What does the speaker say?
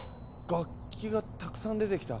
楽器がたくさん出てきた。